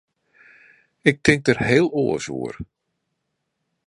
Ik tink der heel oars oer.